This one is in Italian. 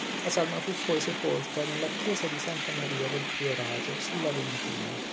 La salma fu poi sepolta nella chiesa di Santa Maria del Priorato, sull'Aventino.